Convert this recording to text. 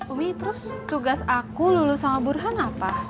umi terus tugas aku lulus sama burhan apa